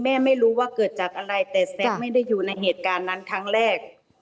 ไม่รู้ว่าเกิดจากอะไรแต่แซ็กไม่ได้อยู่ในเหตุการณ์นั้นครั้งแรก